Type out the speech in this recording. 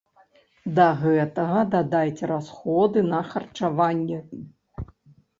Да гэтага дадайце расходы на харчаванне.